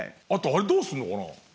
あとあれどうするのかな？